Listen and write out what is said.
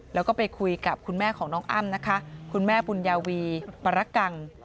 แล้วก็ไปคุยกับคุณแม่ของน้องอ้ำนะคะคุณแม่บุญญาวีปรกัง